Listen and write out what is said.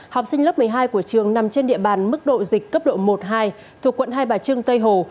học sinh lớp một mươi hai của trường nằm trên địa bàn mức độ dịch cấp độ một hai thuộc quận hai bà trưng tây hồ